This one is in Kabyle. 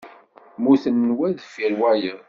Mmuten wa deffir wayeḍ.